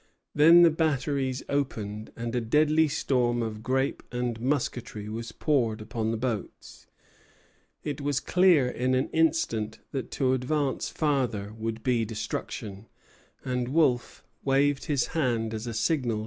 Then the batteries opened, and a deadly storm of grape and musketry was poured upon the boats. It was clear in an instant that to advance farther would be destruction; and Wolfe waved his hand as a signal to sheer off.